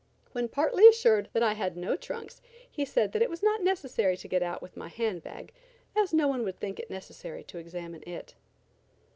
When partly assured that I had no trunks he said that it was not necessary to get out with my hand bag, as no one would think it necessary to examine it.